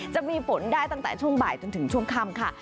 จะมีฝนได้ตั้งแต่ช่วงบ่ายจนถึงช่วงค่ำค่ะ